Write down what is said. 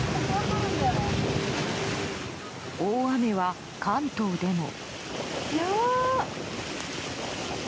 大雨は関東でも。